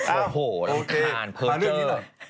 โอ้โหหลังทางแคลร์เจอร์